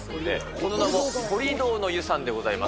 その名もコリドーの湯さんでございます。